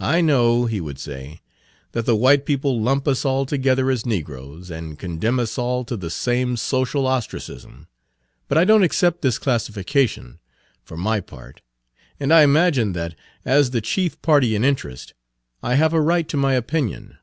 "I know," he would say, "that the white people lump us all together as negroes, and Page 95 condemn us all to the same social ostracism. But I don't accept this classification, for my part, and I imagine that, as the chief party in interest, I have a right to my opinion.